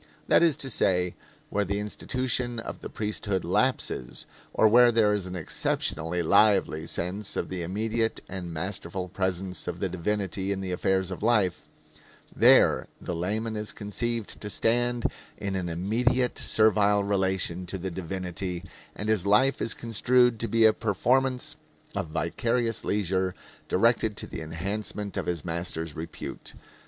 That is to say, where the institution of the priesthood lapses, or where there is an exceptionally lively sense of the immediate and masterful presence of the divinity in the affairs of life, there the layman is conceived to stand in an immediate servile relation to the divinity, and his life is construed to be a performance of vicarious leisure directed to the enhancement of his master's repute.